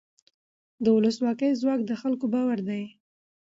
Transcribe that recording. د ولسواکۍ ځواک د خلکو باور دی